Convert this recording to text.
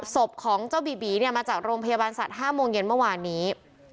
ศพของเจ้าบีบีเนี่ยมาจากโรงพยาบาลสัตว์๕โมงเย็นเมื่อวานนี้